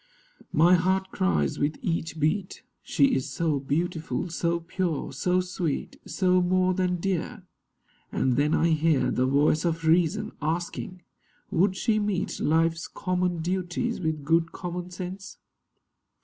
My heart cries with each beat, 'She is so beautiful, so pure, so sweet, So more than dear.' And then I hear The voice of Reason, asking: 'Would she meet Life's common duties with good common sense?